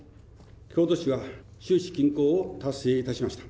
京都市は収支均衡を達成いたしました。